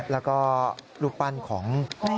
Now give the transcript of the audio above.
แล้วก็รูปปั้นของ